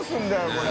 これ。